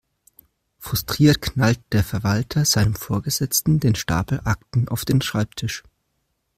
Frustriert knallt der Verwalter seinem Vorgesetzten den Stapel Akten auf den Schreibtisch.